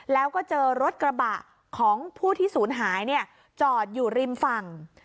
แล้วก็เจอรถกระบะของผู้ที่ศูนย์หายจอดอยู่ริมฝั่ง